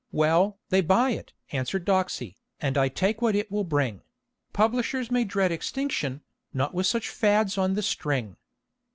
"Well, they buy it," answered Doxey, "and I take what it will bring. Publishers may dread extinction not with such fads on the string.